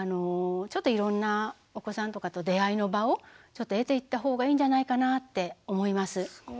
ちょっといろんなお子さんとかと出会いの場をちょっと得ていった方がいいんじゃないかなって思います。